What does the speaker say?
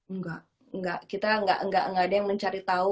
enggak enggak kita enggak enggak ada yang mencari tahu